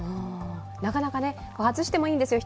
なかなか外してもいいんですよ